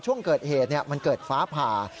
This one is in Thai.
ช่วงเกิดเหตุมันเกิดฟ้าผ่า